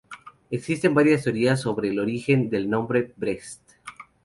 Existen varias teorías sobre el origen del nombre Brest.